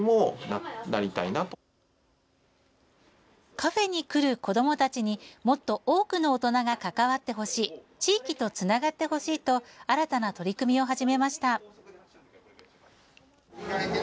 カフェに来る子どもたちにもっと多くの大人が関わってほしい地域とつながってほしいと新たな取り組みを始めました。